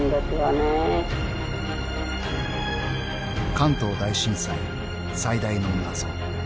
［関東大震災最大の謎］